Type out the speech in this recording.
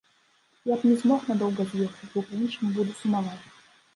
Я б не змог надоўга з'ехаць, бо па-іншаму буду сумаваць.